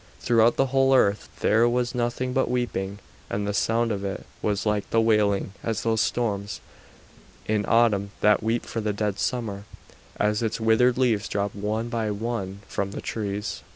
Throughout the whole earth there was nothing but weeping, and the sound of it was like the wailing of those storms in autumn that weep for the dead summer as its withered leaves drop one by one from the trees.